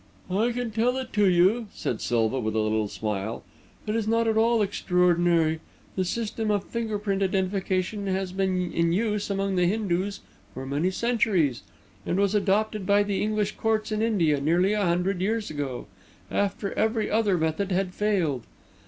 "I can tell it to you," said Silva, with a little smile. "It is not at all extraordinary. The system of finger print identification has been in use among the Hindus for many centuries, and was adopted by the English courts in India nearly a hundred years ago, after every other method had failed.